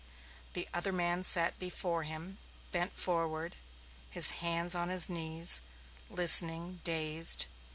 The other man sat before him, bent forward, his hands on his knees, listening, dazed.